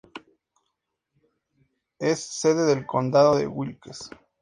Es sede del condado de Wilkes.